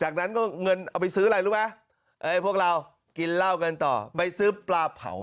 กินเหล้าไปซื้อกับปลาเผา